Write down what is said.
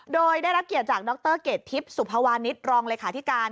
โดยได้รับเกียรติจากดรเกรดทิพย์สุภาวานิสรองเลขาธิการ